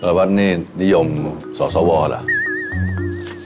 แล้ววัดนี่นิยมสสวเหรอ